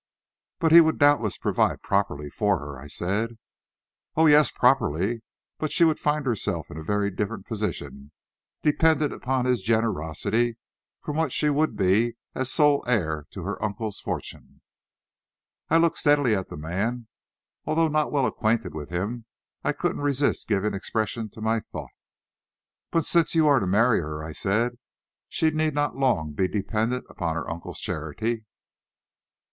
"But he would doubtless provide properly for her," I said. "Oh, yes, properly. But she would find herself in a very different position, dependent on his generosity, from what she would be as sole heir to her uncle's fortune." I looked steadily at the man. Although not well acquainted with him, I couldn't resist giving expression to my thought. "But since you are to marry her," I said, "she need not long be dependent upon her uncle's charity."